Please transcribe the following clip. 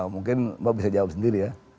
mungkin mbak bisa jawab sendiri ya